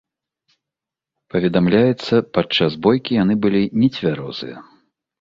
Паведамляецца, падчас бойкі яны былі нецвярозыя.